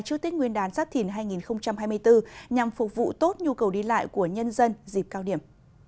trước tết nguyên đán giáp thìn hai nghìn hai mươi bốn nhằm phục vụ tốt nhu cầu đi lại của nhân dân dịp cao điểm